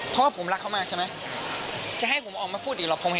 เพราะว่าผมรักเขามากใช่มั้ยจะให้ผมออกมาพูดอีกหรือปลอดภัย